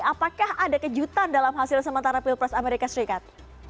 apakah ada kejutan dalam hasil sementara pilpres amerika serikat